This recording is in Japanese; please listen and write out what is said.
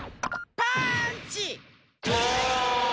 パーンチ！